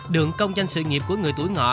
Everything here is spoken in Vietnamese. đường công doanh sự nghiệp của người tuổi ngọ